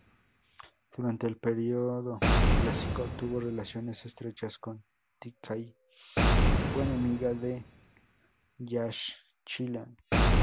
Durante el período Clásico, tuvo relaciones estrechas con Tikal y fue enemiga de Yaxchilán.